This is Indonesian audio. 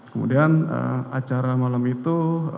kemudian acara malam itu